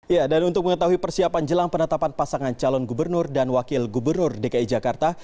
ya dan untuk mengetahui persiapan jelang penetapan pasangan calon gubernur dan wakil gubernur dki jakarta